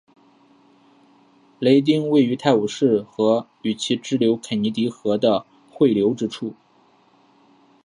雷丁位于泰晤士河与其支流肯尼迪河的汇流之处。